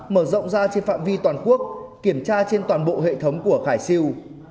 mở rộng ra trên phạm vi toàn quốc kiểm tra trên toàn bộ hệ thống của khải siêu